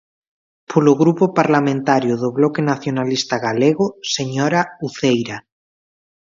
Polo Grupo Parlamentario do Bloque Nacionalista Galego, señora Uceira.